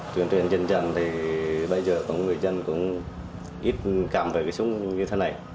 tuyển tuyển dân dân thì bây giờ có người dân cũng ít cảm về cái súng như thế này